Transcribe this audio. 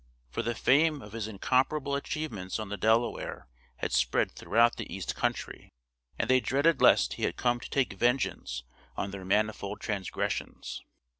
For the fame of his incomparable achievements on the Delaware had spread throughout the east country, and they dreaded lest he had come to take vengeance on their manifold transgressions.